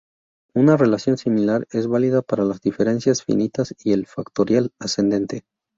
Una relación similar es válida para las diferencias finitas y el factorial ascendente.